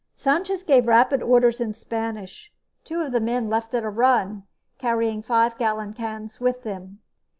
Sanchez gave rapid orders in Spanish. Two of the men left at a run, carrying five gallon cans with them.